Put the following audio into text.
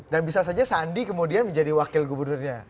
maksudnya sandi kemudian menjadi wakil gubernurnya